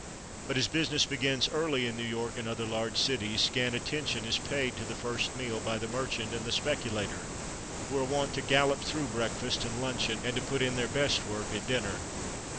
But, as business begins early in New York and other large cities, scant attention is paid to the first meal by the merchant and the speculator, who are wont to "gallop" through breakfast and luncheon, and to put in their "best work" at dinner.